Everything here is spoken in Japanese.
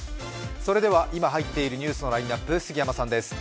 それでは、今入っているニュースのラインナップ、杉山さんです。